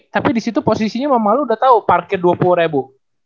tapi disitu posisinya mama lu udah tau parkir dua puluh ribu